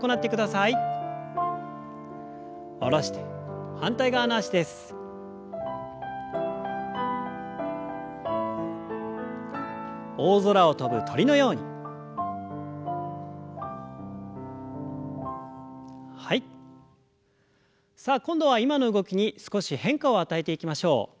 さあ今度は今の動きに少し変化を与えていきましょう。